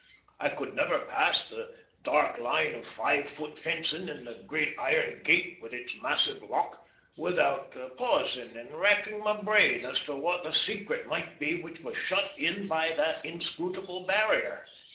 I could never pass the dark line of five foot fencing, and the great iron gate, with its massive lock, without pausing and racking my brain as to what the secret might be which was shut in by that inscrutable barrier.